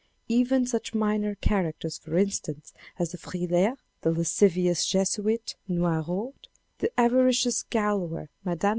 Even such minor characters, for instance, as de Frilair, the lascivious Jesuit, Noiraud, the avaricious gaoler, Mme.